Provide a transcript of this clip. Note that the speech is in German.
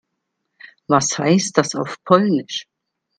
Was heißt das auf Polnisch?